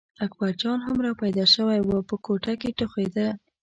اکبرجان هم را پیدا شوی و په کوټه کې ټوخېده.